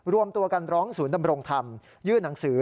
รวมตัวกันร้องศูนย์ดำรงธรรมยื่นหนังสือ